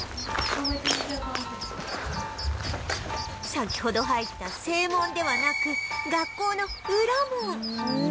先ほど入った正門ではなく学校の裏門